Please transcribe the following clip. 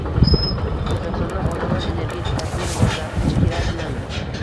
O‘zbekistonda vodorod energetikasini rivojlantirish kerakmi?ng